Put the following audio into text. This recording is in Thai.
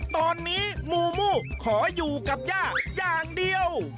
ตอนนี้มูมูขออยู่กับย่าอย่างเดียว